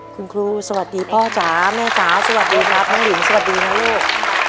คุณครูสวัสดีพ่อจ๋าแม่จ๋าสวัสดีครับน้องหลินสวัสดีนะลูก